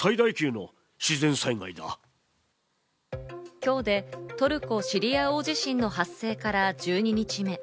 今日でトルコ・シリア大地震の発生から１２日目。